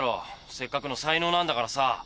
せっかくの才能なんだからさ。